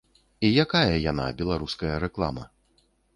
І якая яна, беларуская рэклама?